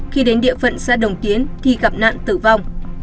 khi đến địa phận xã đồng tiến thì gặp nạn tử vong